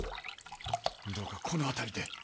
どうかこの辺りで！